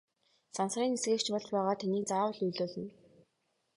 Сансрын нисэгч болж байгаад таныг заавал уйлуулна!